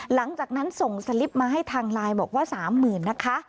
หลังจากนั้นส่งสลิปมาให้ทางไลน์บอกว่า๓๐๐๐นะคะ